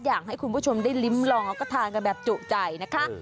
อยากให้คุณผู้ชมได้ลิ้มลองแล้วก็ทานกันแบบจุใจนะคะ